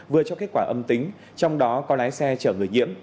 vừa cho kết quả âm tính trong đó có lái xe chở người nhiễm